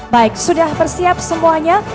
baik sudah bersiap semuanya